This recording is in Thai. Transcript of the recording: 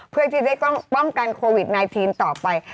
เพื่อที่จะได้ป้องกันโควิด๑๙ต่อไป